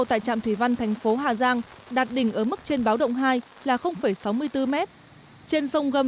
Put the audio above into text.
tại trạm thủy văn thành phố hà giang đạt đỉnh ở mức trên báo động hai là sáu mươi bốn m trên sông gâm